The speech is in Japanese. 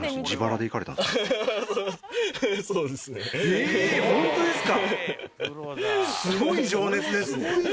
えホントですか！